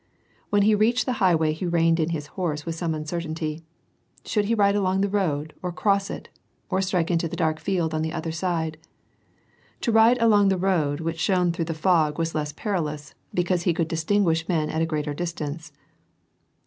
When he reached the highway, he reined in his horse in some uncertainty ; shonld he ride along the road, or cross it, or strike into the dark field on the other side? To ride along the road which shone through the fog was less perilous, because he could distinguish men at a greater distance.